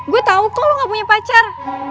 gue tau kok lu gak punya pacar